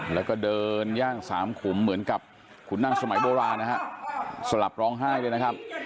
แล้วก็เดินย่างสามขุมเหมือนกับขุนนั่งสมัยโบราณนะฮะสลับร้องไห้เลยนะครับ